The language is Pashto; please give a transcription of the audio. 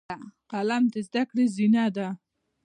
قلم د زده کړې زینه ده